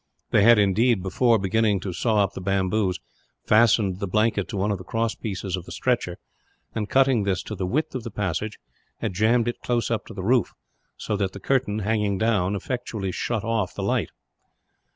They had, indeed, before beginning to saw up the bamboos, fastened the blanket to one of the cross pieces of the stretcher and, cutting this to the width of the passage, had jammed it close up to the roof; so that the curtain, hanging down, effectually shut off the light.